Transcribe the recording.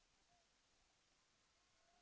แสวได้ไงของเราก็เชียนนักอยู่ค่ะเป็นผู้ร่วมงานที่ดีมาก